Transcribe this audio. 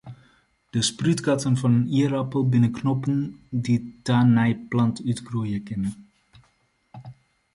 De sprútgatten fan in ierappel binne knoppen dy't ta in nije plant útgroeie kinne.